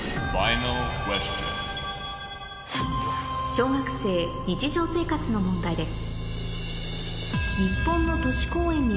小学生日常生活の問題です